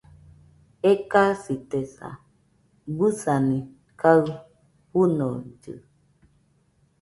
Ekasitesa, bɨsani kaɨ fɨnollɨ